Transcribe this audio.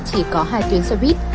chỉ có hai chuyến xe buýt